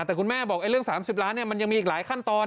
อ่าแต่คุณแม่บอกไอ้เรื่องสามสิบล้านเนี้ยมันยังมีอีกหลายขั้นตอน